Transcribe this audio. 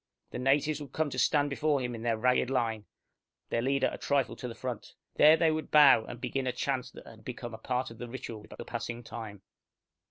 The natives would come to stand before him in their ragged line, their leader a trifle to the front. There they would bow, and begin a chant that had become a part of the ritual with the passing time.